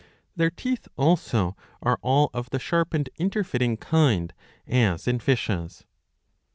Their teeth also are all of the sharp and interfitting kind, as in fishes.'